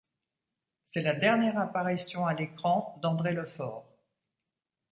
C'est la dernière apparition à l'écran d'André Lefaur.